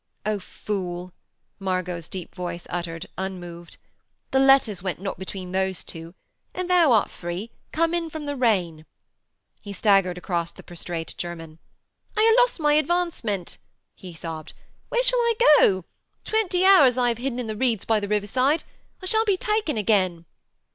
'O fool,' Margot's deep voice uttered, unmoved, 'the letters went not between those two. And thou art free; come in from the rain.' He staggered across the prostrate German. 'I ha' lost my advancement,' he sobbed. 'Where shall I go? Twenty hours I have hidden in the reeds by the riverside. I shall be taken again.'